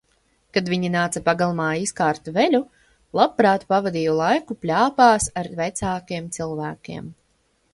Kad viņi nāca pagalmā izkārt veļu, labprāt pavadīju laiku pļāpās ar vecākiem cilvēkiem.